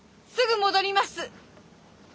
すぐ戻ります。